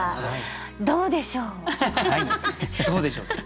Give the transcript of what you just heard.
どうでしょう？